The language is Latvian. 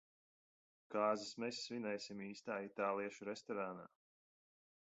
Kāzas mēs svinēsim īstā itāliešu restorānā.